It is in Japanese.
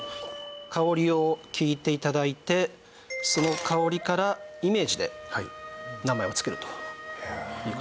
香りを聞いて頂いてその香りからイメージで名前を付けるという事になります。